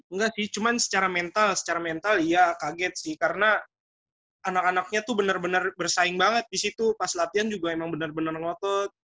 enggak sih cuman secara mental secara mental iya kaget sih karena anak anaknya tuh bener bener bersaing banget disitu pas latihan juga emang bener bener ngotot